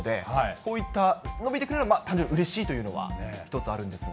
こういった、延びてくれれば単純にうれしいというのは一つあるんですが。